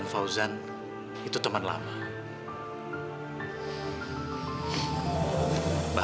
mereka ke samany nanti selamat latih ke rumah